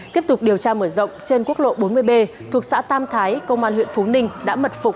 tiếp tục điều tra mở rộng trên quốc lộ bốn mươi b thuộc xã tam thái công an huyện phú ninh đã mật phục